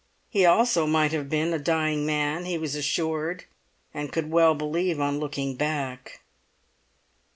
He also might have been a dying man, he was assured, and could well believe on looking back.